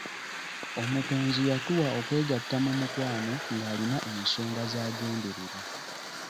Omutonzi yatuwa okwegatta mu mukwano nga alina ensonga zagenderera.